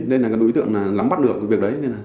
nên đối tượng lắm bắt được việc đấy